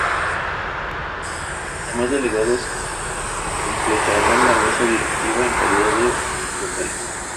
Los demás delegados completaran la Mesa Directiva en calidad de Vocales.